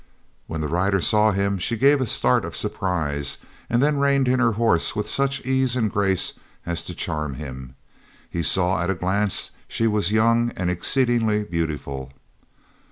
When the rider saw him she gave a start of surprise, and then reined in her horse with such ease and grace as to charm him. He saw at a glance she was young and exceedingly beautiful.